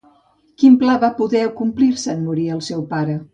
Quin pla no va poder complir-se en morir el seu pare?